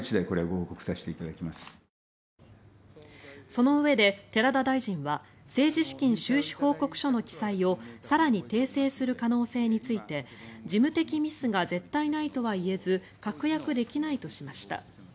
そのうえで寺田大臣は政治資金収支報告書の記載を更に訂正する可能性について事務的ミスが絶対ないとは言えず確約できないとしました。